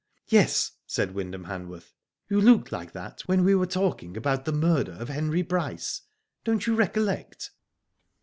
Yes," said Wyndham Hanworth. " You looked like that when we were talking about the murder of Henry Bryce. Don't you recollect